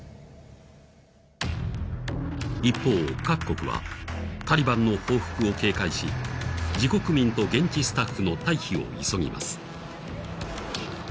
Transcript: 一方、各国はタリバンの報復を警戒し自国民と現地スタッフの退避を急ぎます。